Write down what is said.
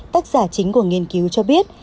tác giả chính của nghiên cứu cho biết